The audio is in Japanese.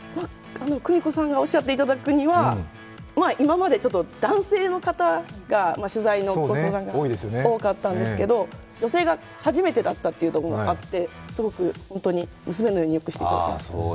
久美子さんがおっしゃっていただくには、今まで男性の方が取材のご相談が多かったんですけれども、女性が初めてだったということもあって、すごく、本当に娘のようによくしていただいて。